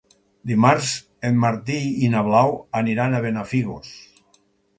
Dimarts en Martí i na Blau aniran a Benafigos.